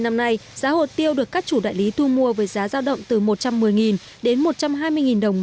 năm nay giá hồ tiêu được các chủ đại lý thu mua với giá giao động từ một trăm một mươi đến một trăm hai mươi đồng